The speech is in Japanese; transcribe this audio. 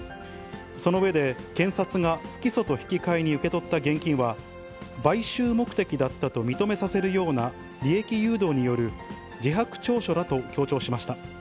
その上で、検察が不起訴と引き換えに受け取った現金は、買収目的だったと認めさせるような、利益誘導による自白調書だと強調しました。